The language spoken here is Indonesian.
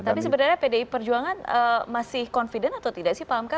tapi sebenarnya pdi perjuangan masih confident atau tidak sih pak hamka